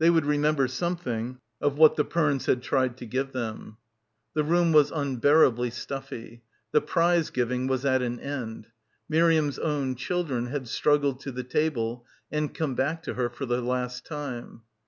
They would remember some thing of what the Pernes had tried to give them. The room was unbearably stuffy. The prize giving was at an end. Miriam's own children had struggled to the table and come back to her for the last time.